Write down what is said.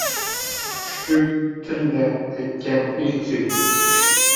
Chuchuk til-la aytgan ilk so‘zing